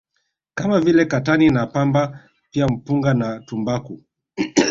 kama vile Katani na Pamba pia Mpunga na tumbaku